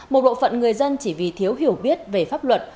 một bộ phận người dân chỉ vì thiếu hiểu biết về pháp luật